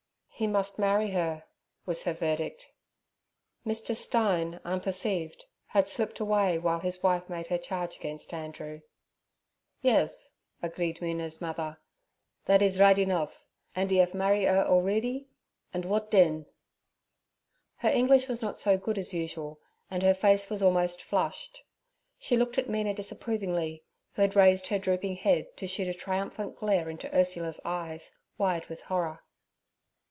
'He must marry her' was her verdict. Mr. Stein, unperceived, had slipped away while his wife made her charge against Andrew. 'Yes' agreed Mina's mother, 'thad is righd enoff, andt 'e aff marry 'er allreedy, andt wod den?' Her English was not so good as usual, and her face was almost flushed. She looked at Mina disapprovingly, who had raised her drooping head to shoot a triumphant glare into Ursula's eyes, wide with horror.